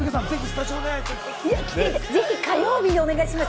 ぜひ火曜日でお願いします。